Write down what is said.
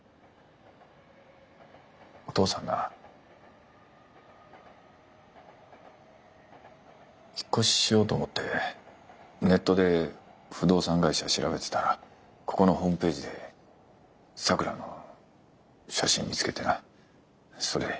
お父さんな引っ越ししようと思ってネットで不動産会社を調べてたらここのホームページで咲良の写真見つけてなそれで。